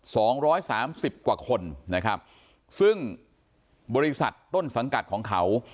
สองร้อยสามสิบกว่าคนนะครับซึ่งบริษัทต้นสังกัดของเขา